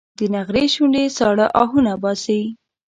د نغري شوندې ساړه اهونه باسي